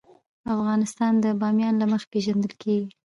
افغانستان د بامیان له مخې پېژندل کېږي.